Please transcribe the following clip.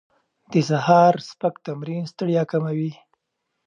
د سهار سپک تمرین ستړیا کموي.